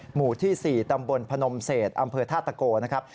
หมู่ที่๔ตำบลพนมเศษอำเภอธาตะโกนะครับ